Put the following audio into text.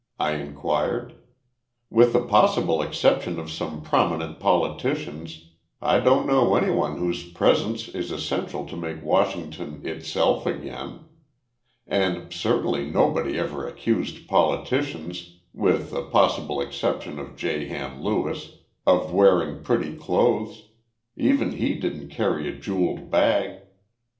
I inquired. "With the possible exception of some prominent politicians I don't know anyone whose presence is essential to make Washington 'itself again.' And certainly nobody ever accused politicians, with the possible exception of J. Ham Lewis, of wearing pretty clothes. Even he didn't carry a jeweled bag."